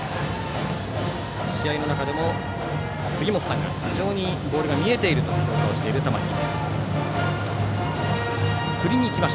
試合の中でも杉本さんが非常にボールが見えていると評価をしている玉木。